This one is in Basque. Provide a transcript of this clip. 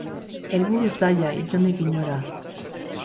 Helburu zaila, inondik inora.